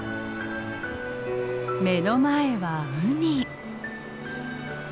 目の前は海。